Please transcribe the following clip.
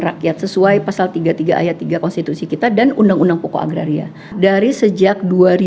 rakyat sesuai pasal tiga puluh tiga ayat tiga konstitusi kita dan undang undang pokok agraria dari sejak